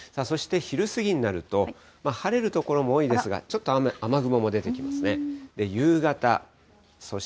そして昼過ぎになりますと、晴れる所も多いですが、ちょっと雨雲も出てきますね。